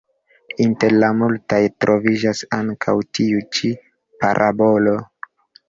Inter la multaj troviĝas ankaŭ tiu ĉi parabolo.